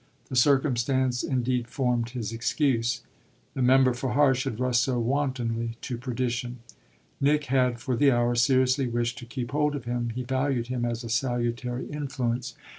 This circumstance indeed formed his excuse: the member for Harsh had rushed so wantonly to perdition. Nick had for the hour seriously wished to keep hold of him: he valued him as a salutary influence.